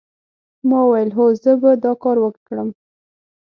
ما وویل هو زه به دا کار وکړم